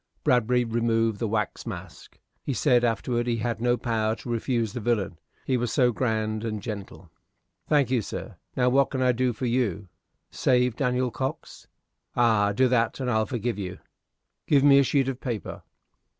Bradbury removed the wax mask. He said afterward he had no power to refuse the villain, he was so grand and gentle. "Thank you, sir. Now, what can I do for you? Save Daniel Cox?" "Ay, do that, and I'll forgive you." "Give me a sheet of paper."